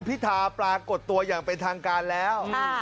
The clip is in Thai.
พิธาปรากฏตัวอย่างเป็นทางการแล้ว